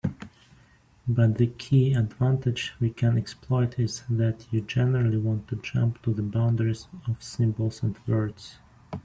But the key advantage we can exploit is that you generally want to jump to the boundaries of symbols and words.